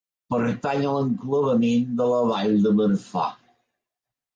Pertany a l'enclavament de la Vall de Marfà.